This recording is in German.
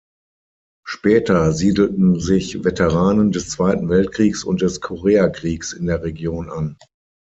Später siedelten sich Veteranen des Zweiten Weltkriegs und des Koreakriegs in der Region an.